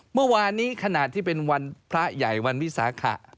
เมื่อวานนี้ขณะที่เป็นวันพระใหญ่วันวิสาขะ